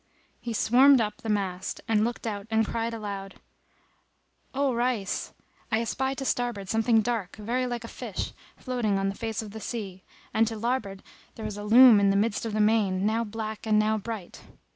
He swarmed up the mast and looked out and cried aloud, "O Rais, I espy to starboard something dark, very like a fish floating on the face of the sea, and to larboard there is a loom in the midst of the main, now black and now bright."